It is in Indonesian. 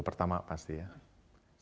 pertama pasti ya